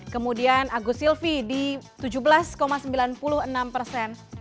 kemudian agus silvi di tujuh belas sembilan puluh enam persen